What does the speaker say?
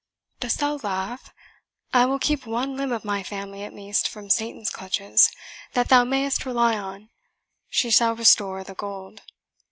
Dost thou laugh? I will keep one limb of my family, at least, from Satan's clutches, that thou mayest rely on. She shall restore the gold."